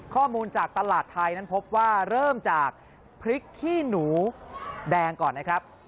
ข้อมูลจากตลาดไทยนั้นพบว่าเริ่มจากพริกขี้หนูแดงก่อนนะครับ